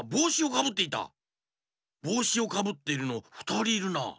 ぼうしをかぶってるのふたりいるな。